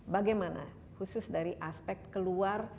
bagaimana khusus dari aspek keluar